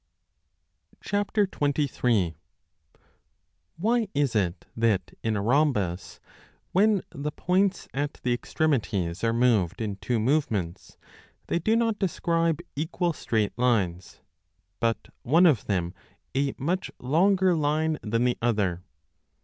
WHY is it that in a rhombus, when the points at the 2 . extremities are moved in two movements, they do not describe equal straight lines, but one of them a much longer line than the other